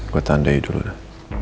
gue tandai dulu dah